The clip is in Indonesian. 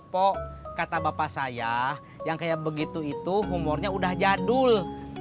po kata bapak saya yang kayak begitu itu humornya udah jadul